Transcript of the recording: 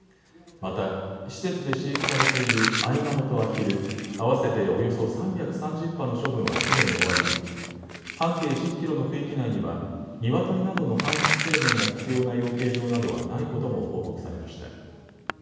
また、施設で飼育されているアイガモとアヒル、合わせておよそ３３０羽の処分はすでに終わり半径１０キロの区域内にはニワトリなどの搬出制限が必要な養鶏場などはないことも報告されました。